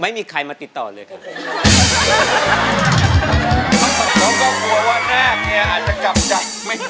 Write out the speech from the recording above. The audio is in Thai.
ไม่มีใครมาติดต่อเลยครับ